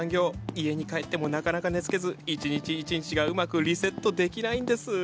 家に帰ってもなかなか寝つけず１日１日がうまくリセットできないんです。